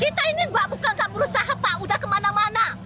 bukan bukan berusaha pak udah kemana mana